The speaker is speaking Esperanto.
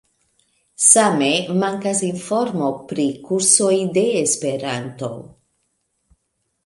Same mankas informo pri kursoj de esperanto.